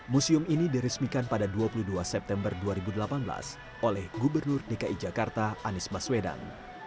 museum ini diresmikan pada dua puluh dua september dua ribu delapan belas oleh gubernur dki jakarta anies baswedan